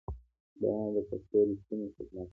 دا د پښتو ریښتینی خدمت دی.